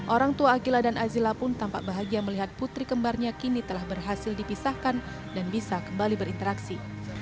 orang tua akila dan azila pun tampak bahagia melihat putri kembarnya kini telah berhasil dipisahkan dan bisa kembali berinteraksi